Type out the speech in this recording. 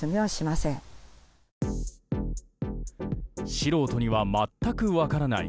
素人には全く分からない